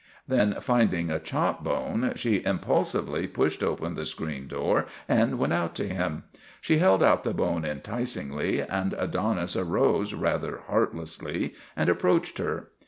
Then, finding a chop bone, she impulsively pushed open the screen door and went out to him. She held out the bone enticingly and Adonis arose rather heartlessly and approached her.